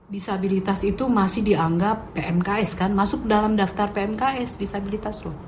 disabilitas itu masih dianggap pmks kan masuk dalam daftar pmks disabilitas loh